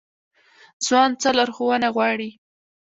ځوان څه لارښوونه غواړي؟